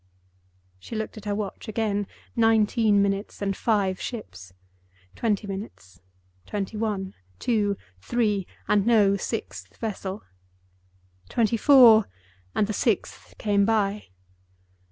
She looked at her watch again. Nineteen minutes, and five ships. Twenty minutes. Twenty one, two, three—and no sixth vessel. Twenty four, and the sixth came by.